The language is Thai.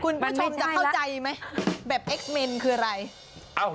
คุณผู้ชมจะเข้าใจไหมแบบเอ็กเมนคืออะไร